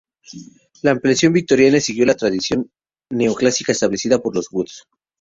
La ampliación victoriana siguió la tradición neoclásica establecida por los Woods.